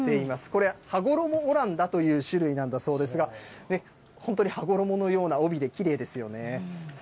これ、はごろもオランダという種類なんだそうですが、本当に羽衣のような尾びれ、きれいですよね。